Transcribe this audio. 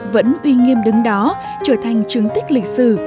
vẫn uy nghiêm đứng đó trở thành chứng tích lịch sử